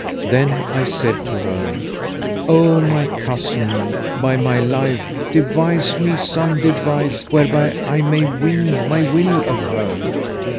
Then I said to her, "O my cousin, by my life, devise me some device whereby I may win my will of her!"